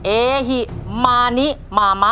เอหิมานิมามะ